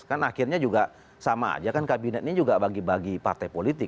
kan akhirnya juga sama aja kan kabinet ini juga bagi bagi partai politik